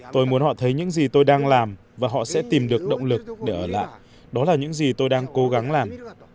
tôi muốn họ thấy những gì tôi đang làm và họ sẽ tìm được động lực để ở lại đó là những gì tôi đang cố gắng làm